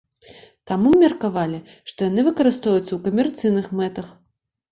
Таму мы меркавалі, што яны выкарыстоўваюцца ў камерцыйных мэтах.